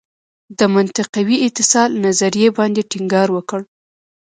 د منطقوي اتصال نظریې باندې ټینګار وکړ.